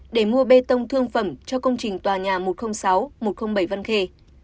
để mua bê tông thương phẩm cho công trình tòa nhà một trăm linh sáu một trăm linh bảy văn khề